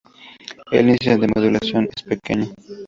El índice de modulación es pequeño.